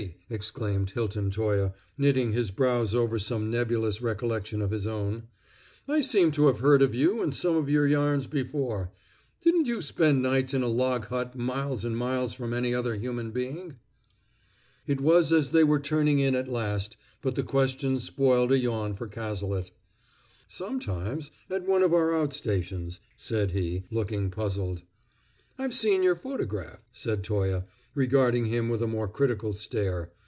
exclaimed Hilton Toye, knitting his brows over some nebulous recollection of his own. "I seem to have heard of you and some of your yarns before. Didn't you spend nights in a log hut miles and miles from any other human being?" It was as they were turning in at last, but the question spoiled a yawn for Cazalet. "Sometimes, at one of our out stations," said he, looking puzzled. "I've seen your photograph," said Toye, regarding him with a more critical stare.